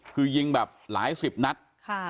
คือยิงแบบหลายสิบนัด